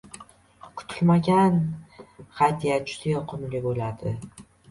• Kutilmagan hadya juda yoqimli bo‘ladi.